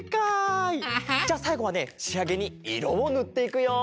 アハッ！じゃさいごはねしあげにいろをぬっていくよ。